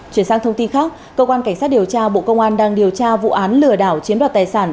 chuyển sang thông tin khác cơ quan cảnh sát điều tra bộ công an đang điều tra vụ án lừa đảo chiếm đoạt tài sản